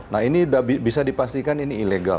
nah ini bisa dipastikan ini ilegal